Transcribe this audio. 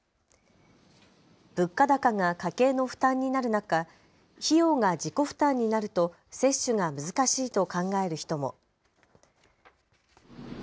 物価高が家計の負担になる中、費用が自己負担になると接種が難しいと考える人も。